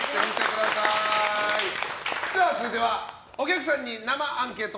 続いてはお客さんに生アンケート！